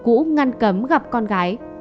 cũ ngăn cấm gặp con gái